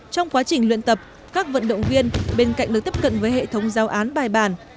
trong quá trình luyện tập các vận động viên bên cạnh được tiếp cận với hệ thống giáo án bài bản